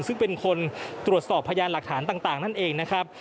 ซึ่งเป็นคนตรวจสอบพยานหลักฐานต่างนั่นเองนะครับ